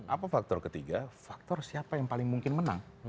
apa faktor ketiga faktor siapa yang paling mungkin menang